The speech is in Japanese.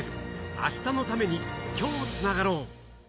明日のために、今日つながろう。